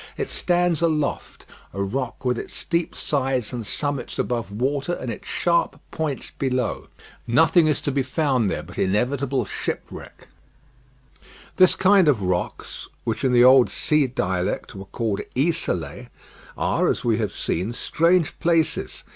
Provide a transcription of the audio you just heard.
It stands aloft, a rock with its steep sides and summits above water, and its sharp points below. Nothing is to be found there but inevitable shipwreck. This kind of rocks, which in the old sea dialect were called Isolés, are, as we have said, strange places.